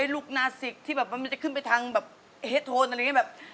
ลูกนาศิกที่มันจะขึ้นไปทางเฮ็ดโทนอะไรอย่างนี้